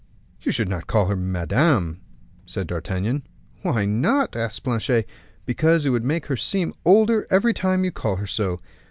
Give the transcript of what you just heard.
"You should not call her madame," said D'Artagnan. "Why not?" asked Planchet. "Because it would make her seem older every time you call her so."